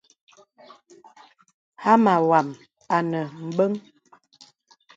Hāmá wàm ànə bəŋ.